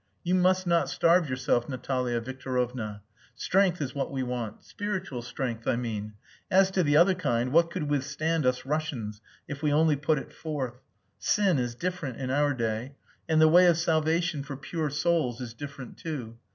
You must not starve yourself, Natalia Victorovna. Strength is what we want. Spiritual strength, I mean. As to the other kind, what could withstand us Russians if we only put it forth? Sin is different in our day, and the way of salvation for pure souls is different too.